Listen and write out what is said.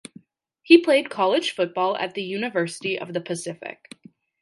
He played college football at the University of the Pacific.